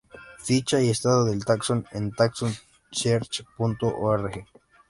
Ficha y estado del taxón en TaxonSearch.org